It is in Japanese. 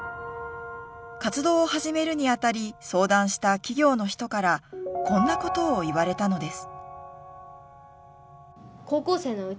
活動を始めるにあたり相談した企業の人からこんなことを言われたのです。